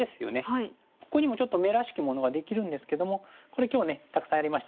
ここにもちょっと眼らしきものができるんですけどもこれ今日ねたくさんやりましたね。